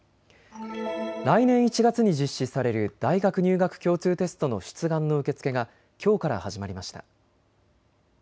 来年１月に実施される大学入学共通テストの出願の受け付けがきょうから始まりました。